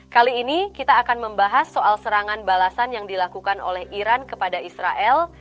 kali ini kita akan membahas soal serangan balasan yang dilakukan oleh iran kepada israel